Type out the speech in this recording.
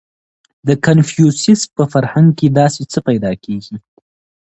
• د کنفوسیوس په فرهنګ کې داسې څه پیدا کېږي.